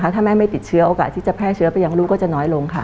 ถ้าแม่ไม่ติดเชื้อโอกาสที่จะแพร่เชื้อไปยังลูกก็จะน้อยลงค่ะ